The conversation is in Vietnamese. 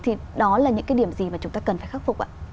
thì đó là những cái điểm gì mà chúng ta cần phải khắc phục ạ